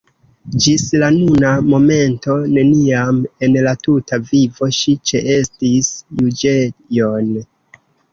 Ĝis la nuna momento neniam en la tuta vivo ŝi ĉeestis juĝejon.